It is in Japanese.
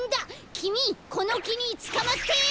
きみこのきにつかまって！